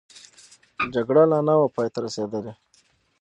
جګړه لا نه وه پای ته رسېدلې.